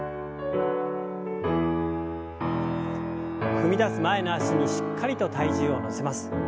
踏み出す前の脚にしっかりと体重を乗せます。